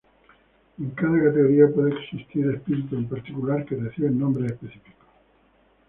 En cada categoría puede existir espíritus en particular que reciben nombres específicos.